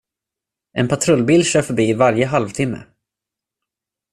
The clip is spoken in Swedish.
En patrullbil kör förbi varje halvtimme.